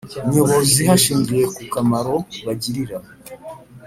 Nyobozi hashingiwe ku kamaro bagirira